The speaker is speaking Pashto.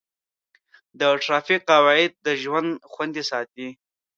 د ټرافیک قواعد د ژوند خوندي ساتي.